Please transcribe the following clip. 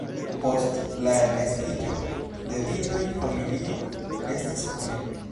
Post la elnestiĝo de birdoj, familio restas kune.